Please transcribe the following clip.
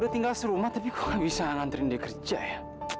udah tinggal serumat tapi kok gak bisa nganterin dia kerja ya